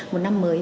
một năm mới